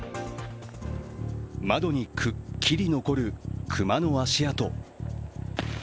窓にくっきり残る熊の足跡。